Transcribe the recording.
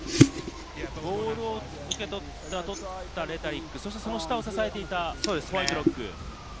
ボールを受け取ったレタリック、支えていたホワイトロック。